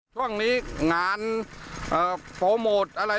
ช่วงนี้งานโพรโมทอะไรต่อไหร่